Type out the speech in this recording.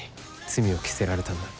罪を着せられたんだ。